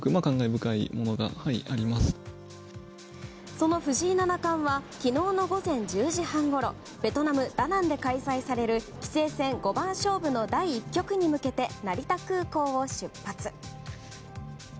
その藤井七冠は昨日の午前１０時半ごろベトナム・ダナンで開催される棋聖戦五番勝負の第１局に向けて成田空港を出発。